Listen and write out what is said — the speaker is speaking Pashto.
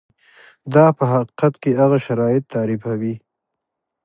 دا په حقیقت کې هغه شرایط تعریفوي.